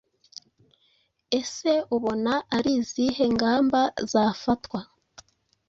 Ese ubona ari izihe ngamba zafatwa